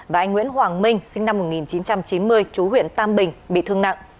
và anh nguyễn hoàng minh sinh năm một nghìn chín trăm chín mươi chú huyện tam bình bị thương nặng